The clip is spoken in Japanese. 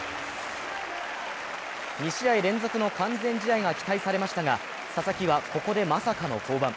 ２試合連続の完全試合が期待されましたが、佐々木はここでまさかの降板。